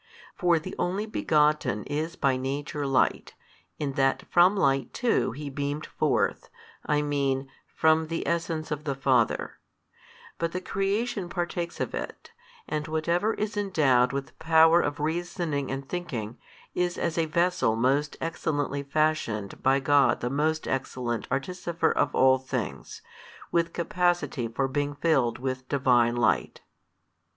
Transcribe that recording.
For the Only Begotten is by Nature Light, in that from Light too He beamed forth, I mean, from the Essence of the Father: but the creation partakes of it, and whatever is endowed with power of reasoning and thinking, is as a vessel most excellently fashioned by God the Most Excellent Artificer of all things, with capacity for being filled with Divine Light.